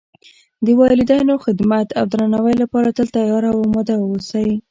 د والدینو خدمت او درناوۍ لپاره تل تیار او آماده و اوسئ